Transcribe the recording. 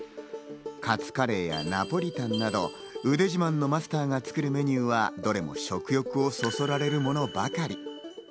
カツカレーやナポリタンなど、腕自慢のマスターが作るメニューは、どれも食欲をそそられるものばかり。